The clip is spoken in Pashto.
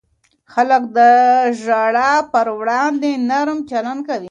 خلک د ژړا پر وړاندې نرم چلند کوي.